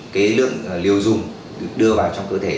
cái lượng tiêu dùng được đưa vào trong cơ thể